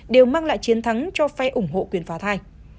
đều mang lại chiến thắng cho phe ủng hộ quyền phá thai